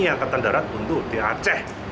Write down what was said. yang ke tandarat buntu di aceh